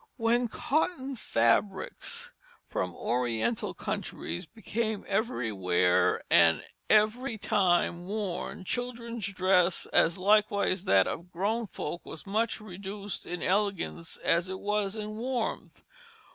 When cotton fabrics from Oriental countries became everywhere and every time worn, children's dress, as likewise that of grown folk, was much reduced in elegance as it was in warmth.